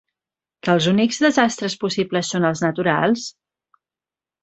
Que els únics desastres possibles són els naturals?